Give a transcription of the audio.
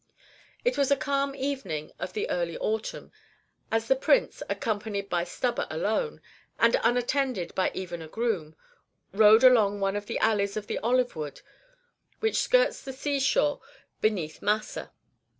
It was a calm evening of the early autumn, as the Prince, accompanied by Stubber alone, and unattended by even a groom, rode along one of the alleys of the olive wood which skirts the sea shore beneath Massa.